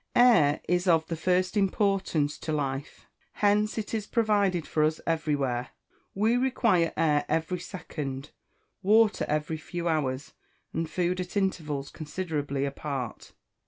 Air is of the first importance to life. Hence it is provided for us everywhere. We require air every second, water every few hours, and food at intervals considerably apart.